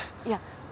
いや。